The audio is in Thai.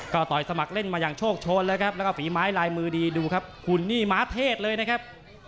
ก็ต่อยสมัครเล่นมาอย่างโชคโชนแล้วครับแล้วก็ฝีไม้ลายมือดีดูครับคุณนี่ม้าเทศเลยนะครับ